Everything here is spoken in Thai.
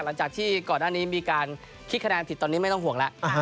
หลังจากที่ก่อนหน้านี้มีการคิดคะแนนผิดตอนนี้ไม่ต้องห่วงแล้ว